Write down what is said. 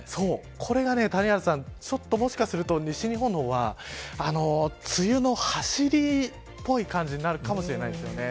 これが谷原さんもしかすると、西日本の方は梅雨のはしりっぽい感じになるかもしれません。